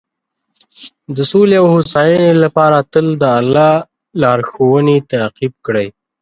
د سولې او هوساینې لپاره تل د الله لارښوونې تعقیب کړئ.